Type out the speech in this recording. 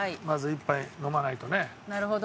なるほど。